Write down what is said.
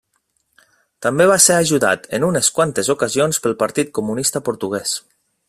També va ser ajudat en unes quantes ocasions pel Partit Comunista Portuguès.